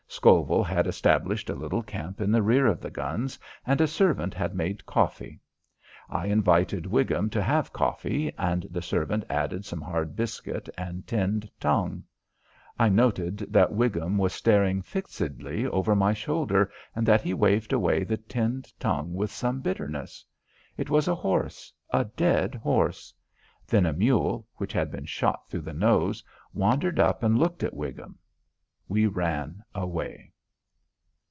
Scovel had established a little camp in the rear of the guns and a servant had made coffee. I invited Whigham to have coffee, and the servant added some hard biscuit and tinned tongue. I noted that Whigham was staring fixedly over my shoulder, and that he waved away the tinned tongue with some bitterness. It was a horse, a dead horse. Then a mule, which had been shot through the nose, wandered up and looked at Whigham. We ran away.